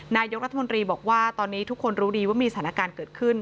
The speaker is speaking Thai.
นายกรัฐมนตรีบอกว่าตอนนี้ทุกคนรู้ดีว่ามีสถานการณ์เกิดขึ้น